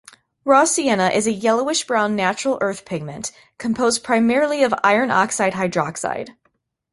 Raw sienna is a yellowish-brown natural earth pigment, composed primarily of iron oxide hydroxide.